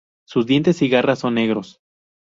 Sus dientes y garras son negros.